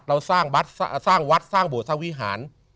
เราสร้างวัดสร้างวัดสร้างโบสถสร้างวิหาร